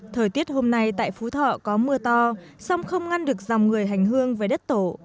thời tiết hôm nay tại phú thọ có mưa to song không ngăn được dòng người hành hương về đất tổ